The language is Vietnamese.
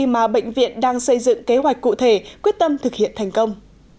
mà bệnh viện đang xây dựng kế hoạch cụ thể quyết tâm thực hiện thành công